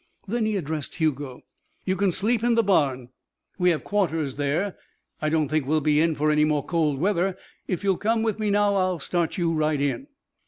Then he addressed Hugo: "You can sleep in the barn. We have quarters there. I don't think we'll be in for any more cold weather. If you'll come with me now, I'll start you right in."